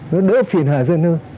nó đỡ phiền hạ dân hơn